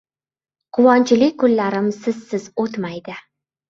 Quvonchli kunlarim sizsiz o‘tmaydi